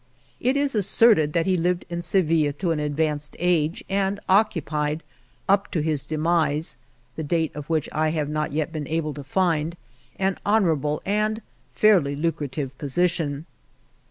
It is asserted that he lived in Sevilla to an advanced age, and zi INTRODUCTION occupied, up to his demise (the date of which I have not yet been* able to find), an honorable and fairly lucrative position.